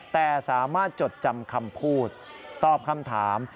แต่สามารถจดจำคำพูดตอบคำถาม